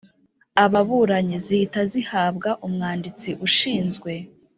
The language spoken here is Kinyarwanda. ababuranyi zihita zihabwa Umwanditsi ushinzwe